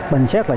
bình xét là